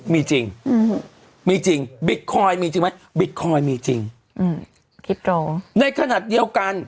มีจริงมีจริงบิตคอยน์มีจริงไหมบิตคอยน์มีจริงอืมคลิปโตในขณะเดียวกัน